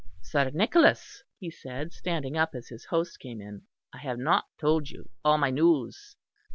"Sir Nicholas," he said, standing up, as his host came in, "I have not told you all my news."